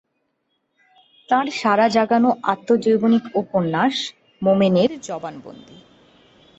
তাঁর সাড়া জাগানো আত্মজৈবনিক উপন্যাস মোমেনের জবানবন্দী।